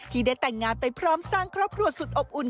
ที่ได้แต่งงานไปพร้อมสร้างครอบครัวสุดอบอุ่น